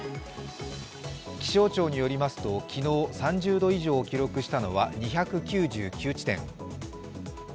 気象庁によりますと昨日３０度以上を記録したのは２９９地点。